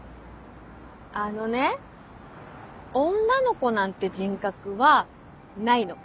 あのね「女の子」なんて人格はないの。